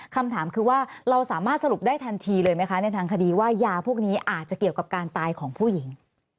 คำถามคือว่าเราสามารถสรุปได้ทันทีเลยไหมคะในทางคดีว่ายาพวกนี้อาจจะเกี่ยวกับการตายของผู้หญิง